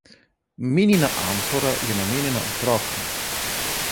Minina amfora je namenjena otrokom.